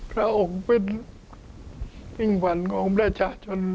พระองค์เป็นพิ่งฝันขององค์ประชาชน